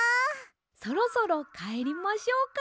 そろそろかえりましょうか。